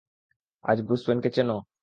অজ, Bruce ওয়েনকে চেনো?